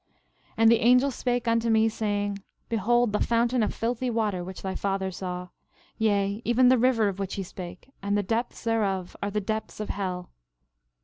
12:16 And the angel spake unto me, saying: Behold the fountain of filthy water which thy father saw; yea, even the river of which he spake; and the depths thereof are the depths of hell.